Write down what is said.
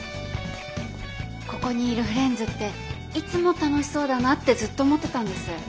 ここにいるフレンズっていつも楽しそうだなってずっと思ってたんです。